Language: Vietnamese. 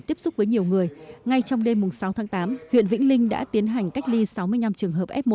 tiếp xúc với nhiều người ngay trong đêm sáu tháng tám huyện vĩnh linh đã tiến hành cách ly sáu mươi năm trường hợp f một